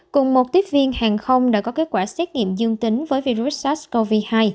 cùng một tiếp viên hàng không đã có kết quả xét nghiệm dương tính với virus sars cov hai